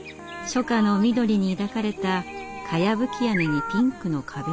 初夏の緑に抱かれたかやぶき屋根にピンクの壁の家。